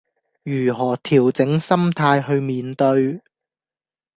如何調整心態去面對